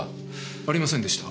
ありませんでした。